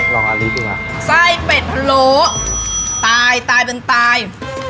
ลองอันนี้ดูฮะไส้เป็ดพะโล้ตายตายเป็นตาย